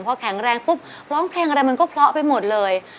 พอแข็งแรงปุ๊บร้องเพลงอะไรมันก็เพราะไปหมดเลย